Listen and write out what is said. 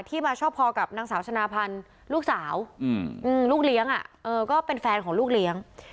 มาชอบพอกับนางสาวชนะพันธ์ลูกสาวลูกเลี้ยงก็เป็นแฟนของลูกเลี้ยง